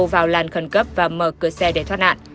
vào làn khẩn cấp và mở cửa xe để thoát nạn